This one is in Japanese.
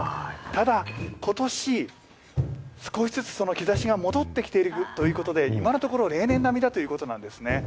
ただ、ことし、少しずつその兆しが戻ってきているということで、今のところ例年並みだということなんですね。